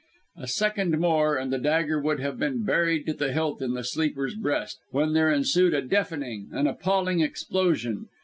A second more, and the dagger would have been buried to the hilt in the sleeper's breast when there ensued a deafening, an appalling explosion.